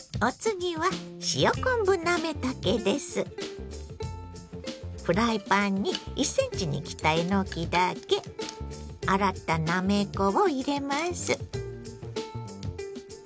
お次はフライパンに１ｃｍに切ったえのきだけ洗ったなめこを入れます。